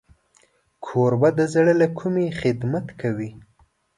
کوربه د زړه له کومي خدمت کوي.